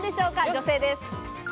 女性です。